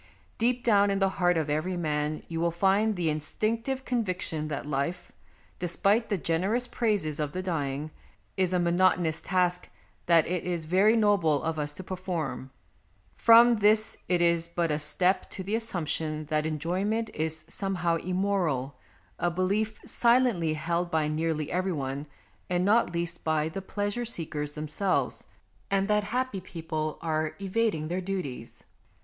Deep down in the heart of every man you will find the instinctive conviction that life, despite the generous praises of the dying, is a monotonous task that it is very noble of us to perform. From this it is but a step to the assumption that enjoyment is some how immoral, a belief silently held by nearly every one, and not least by the pleasure seekers themselves, and that happy people are evading their duties.